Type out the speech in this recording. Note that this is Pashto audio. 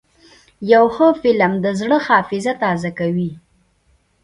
یو ښه فلم د زړه حافظه تازه کوي.